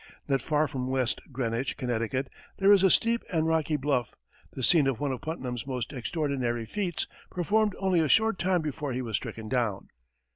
Not far from West Greenwich, Connecticut, there is a steep and rocky bluff, the scene of one of Putnam's most extraordinary feats, performed only a short time before he was stricken down.